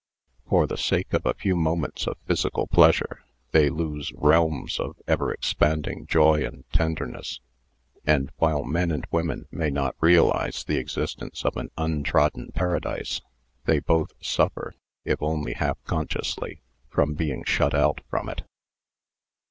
For the sake of a few moments of physical pleasure they lose realms of ever expanding joy and tenderness; and while men and women may not realise the existence of an untrodden paradise, they both suffer, if only half consciously, from being shut out from it.